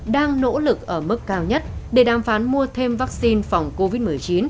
đang nỗ lực ở mức cao nhất để đàm phán mua thêm vaccine phòng covid một mươi chín